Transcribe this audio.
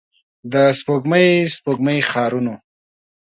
د سپوږمۍ، سپوږمۍ ښارونو